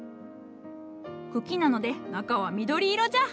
茎なので中は緑色じゃ。